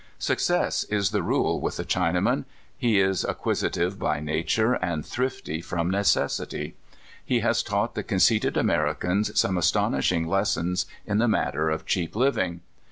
Success is the rule with the Chinaman. He is acquisitive by nature, and thrifty from neces sity. He has taught the conceited Americans some astonishing lessons in the matter of cheap living.